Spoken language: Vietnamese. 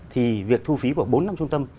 thì việc thu phí của bốn năm trung tâm